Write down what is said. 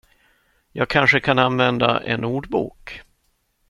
Jag kanske kan använda en ordbok.